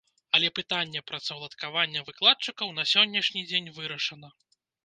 Але пытанне працаўладкавання выкладчыкаў на сённяшні дзень вырашана.